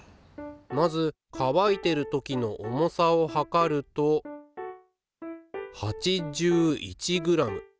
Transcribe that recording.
まず乾いてる時の重さをはかると８１ｇ。